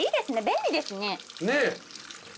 便利ですね。